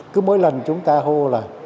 cứ mỗi lần chúng ta hô là